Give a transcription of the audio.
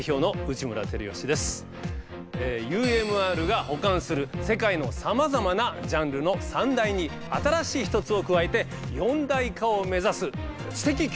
ＵＭＲが保管する世界のさまざまなジャンルの三大に新しい１つを加えて四大化を目指す知的教養番組です。